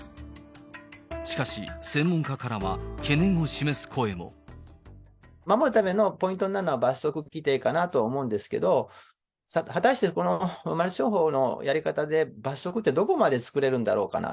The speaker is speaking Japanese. しかし、専門家からは懸念を示す守るためのポイントになるのは罰則規定かなと思うんですけど、果たしてこのマルチ商法のやり方で、罰則ってどこまで作れるんだろうかな。